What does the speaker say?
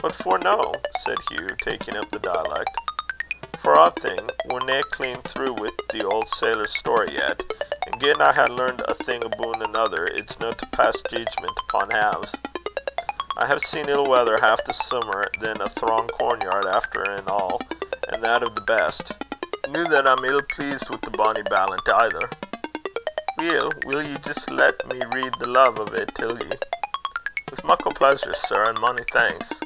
"What for no?" said Hugh, taking up the dialect. "For ae thing, we're nae clean through wi' the auld sailor's story yet; an' gin I hae learnt ae thing aboon anither, its no to pass jeedgment upo' halves. I hae seen ill weather half the simmer, an' a thrang corn yard after an' a', an' that o' the best. No that I'm ill pleased wi' the bonny ballant aither." "Weel, will ye jist lat me read the lave o't till ye?" "Wi' muckle pleesur, sir, an' mony thanks."